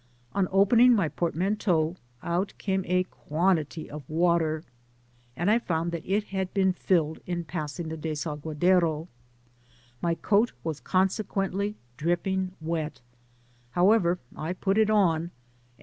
On opening my portmanteau, out came a quantity of water, and I found that it had been filled in passing the Desaguadero— my coat was con sequently dripping wet ; however, I put it on, and Digitized byGoogk THE PAMPAS.